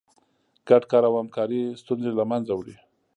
ګډ کار او همکاري ستونزې له منځه وړي.